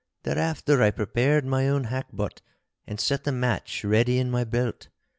Thereafter I prepared my own hackbutt and set the match ready in my belt.